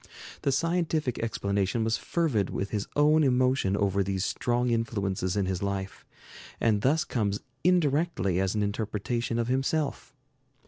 The scientific explanation was fervid with his own emotion over these strong influences in his life, and thus comes indirectly as an interpretation of himself.